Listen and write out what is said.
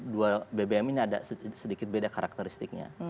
dua bbm ini ada sedikit beda karakteristiknya